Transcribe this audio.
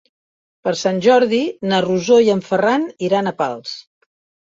Per Sant Jordi na Rosó i en Ferran iran a Pals.